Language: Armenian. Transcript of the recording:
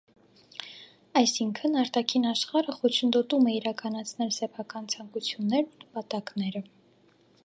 Այսինքն՝ արտաքին աշխարհը խոչընդոտում է իրականացնել սեփական ցանկություններն ու նպատակները։